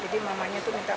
jadi mamanya itu mencari